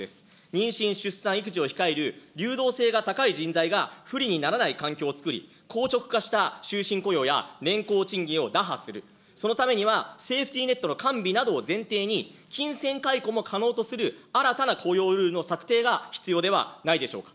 妊娠、出産、育児を控える流動性が高い人材が不利にならない環境を作り、硬直化した終身雇用や年功賃金を打破する、そのためにはセーフティーネットの完備などを前提に、金銭解雇も可能とする新たな雇用ルールの策定が必要ではないでしょうか。